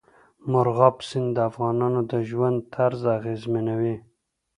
مورغاب سیند د افغانانو د ژوند طرز اغېزمنوي.